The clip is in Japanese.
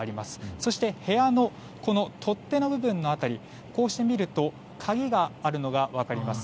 そして部屋の取っ手の部分の辺りこうして見ると鍵があるのが分かります。